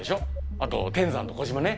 あと天山と小島ね。